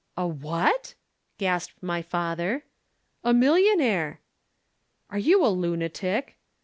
"'"A what?" gasped my father. "'"A millionaire!" "'"Are you a lunatic?"